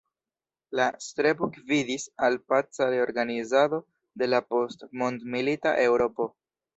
La strebo gvidis al paca reorganizado de la post-mondmilita Eŭropo.